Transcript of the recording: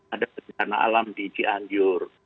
ada bencana alam di cianjur